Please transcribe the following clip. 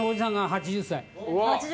８０歳。